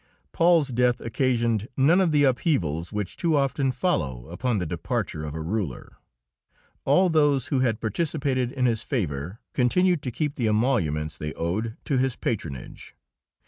Paul's death occasioned none of the upheavals which too often follow upon the departure of a ruler. All those who had participated in his favour continued to keep the emoluments they owed to his patronage.